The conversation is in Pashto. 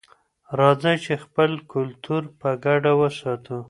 راځئ چې خپل کلتور په ګډه وساتو.